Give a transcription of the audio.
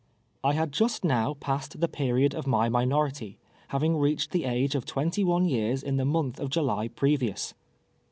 I had just now passed the period of my minority, having reached the age of twenty one years in the month of July previous.